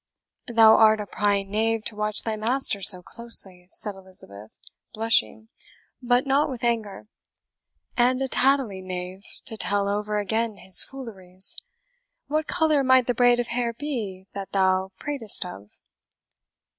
"Thou art a prying knave to watch thy master so closely," said Elizabeth, blushing, but not with anger; "and a tattling knave to tell over again his fooleries. What colour might the braid of hair be that thou pratest of?"